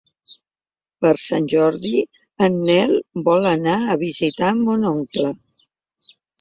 Per Sant Jordi en Nel vol anar a visitar mon oncle.